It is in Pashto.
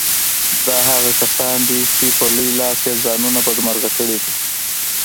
دا هغه کسان دي چې په لوی لاس يې ځانونه بدمرغه کړي دي.